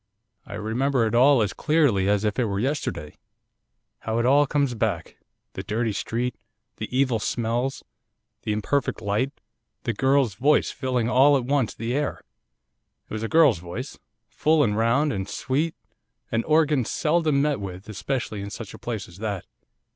'I remember it all as clearly as if it were yesterday. How it all comes back, the dirty street, the evil smells, the imperfect light, the girl's voice filling all at once the air. It was a girl's voice, full, and round, and sweet; an organ seldom met with, especially in such a place as that.